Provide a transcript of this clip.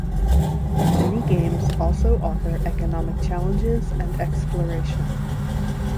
Many games also offer economic challenges and exploration.